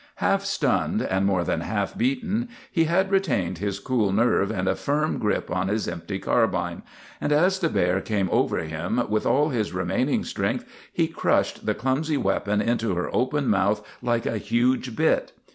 Half stunned and more than half beaten, he had retained his cool nerve and a firm grip on his empty carbine; and as the bear came over him, with all his remaining strength he crushed the clumsy weapon into her open mouth like a huge bit.